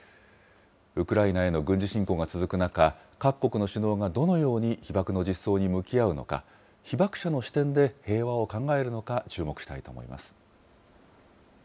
ウクライナへの軍事侵攻が続く中、各国の首脳がどのように被爆の実相に向き合うのか、被爆者の視点で平和を考えるのか、注目したいと思います。